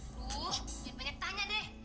tuh jangan banyak tanya deh